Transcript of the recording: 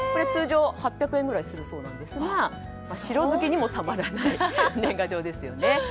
通常は８００円ぐらいするそうですが城好きにもたまらない年賀状ですよね。